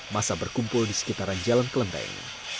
masa berkumpul di sekitaran jalan kelenteng